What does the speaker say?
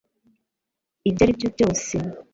ibyo ari byo byose